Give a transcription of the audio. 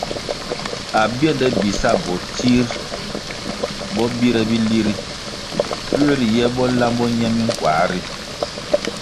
Abiende bi sa botsir bo bire bili ri puer riye bo lambo ñe minkua ri.